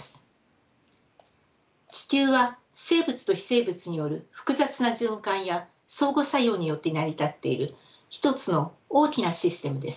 地球は生物と非生物による複雑な循環や相互作用によって成り立っている一つの大きなシステムです。